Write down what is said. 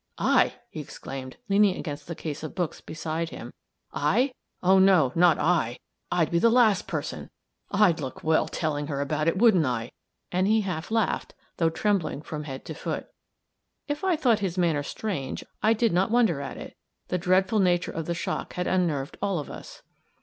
"I!" he exclaimed, leaning against the case of books beside him. "I! oh, no, not I. I'd be the last person! I'd look well telling her about it, wouldn't I?" and he half laughed, though trembling from head to foot. If I thought his manner strange, I did not wonder at it the dreadful nature of the shock had unnerved all of us.